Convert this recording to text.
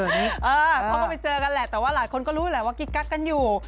เขาก็ไปเจอกันแหละแต่ว่าหลายคนก็รู้แหละว่ากิ๊กกักกันอยู่